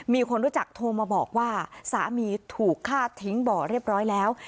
มีคนรู้จักโทรมาบอกว่าสามีถูกฆ่าทิ้งบ่อเรียบร้อยแล้ว